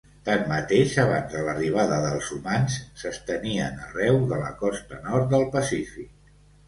Tanmateix, abans de l'arribada dels humans, s'estenien arreu de la costa nord del Pacífic.